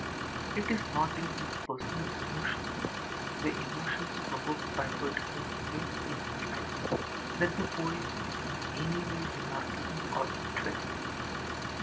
It is not in his personal emotions, the emotions provoked by particular events in his life, that the poet is in any way remarkable or interesting.